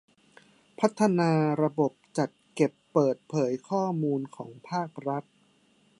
พัฒนาระบบจัดเก็บเปิดเผยข้อมูลของภาครัฐ